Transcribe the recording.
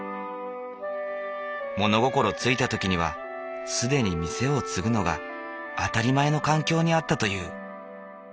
物心付いた時には既に店を継ぐのが当たり前の環境にあったという。